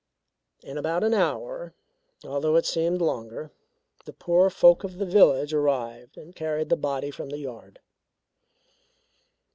In about an hour, although it seemed longer, the poor folk of the village arrived and carried the body from the yard.